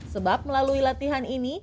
sebab melalui latihan ini